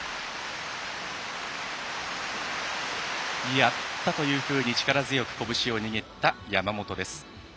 やった！というふうに力強く拳を握った山本です。